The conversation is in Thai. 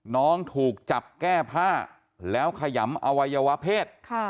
น้องถูกจับแก้ผ้าแล้วขยำอวัยวะเพศ